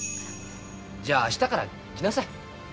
じゃあ明日から来なさい。